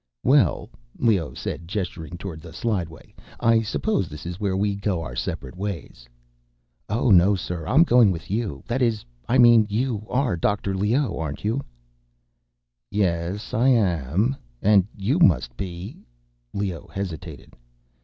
"Well," Leoh said, gesturing toward the slideway, "I suppose this is where we go our separate ways." "Oh, no, sir. I'm going with you. That is, I mean, you are Dr. Leoh, aren't you?" "Yes, I am. And you must be—" Leoh hesitated.